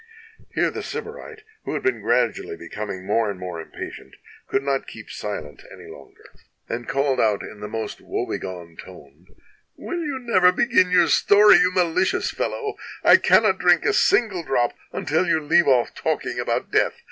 '" Here the Sybarite, who had been gradually becoming more and more impatient, could not keep silent any 196 WHY PHANES WAS EXILED longer, and called out in the most woe begone tone: "Will you never begin your story, you malicious fellow? I cannot drink a single drop, until you leave off talking about death.